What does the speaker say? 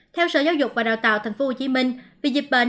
theo sở giáo dục và đào tạo tp hcm vì dịch bệnh